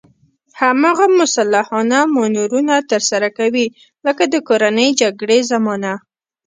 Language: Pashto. هماغه مسلحانه مانورونه ترسره کوي لکه د کورنۍ جګړې زمانه.